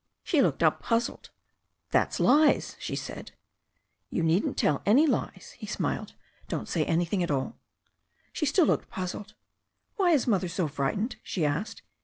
She looked up puzzled. "That's lies," she said. "You needn't tell any lies," he smiled. "Don't say any thing at all." She still looked puzzled. Why is Mother so frightened?" she asked.